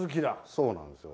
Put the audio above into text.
そうなんですよ。